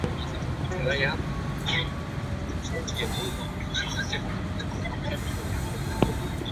谢学锦是目前中国最了不得的勘察地球化学家。